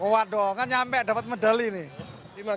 waduh kan nyampe dapat medali nih